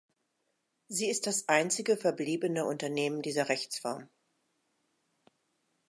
Sie ist das einzige verbliebene Unternehmen dieser Rechtsform.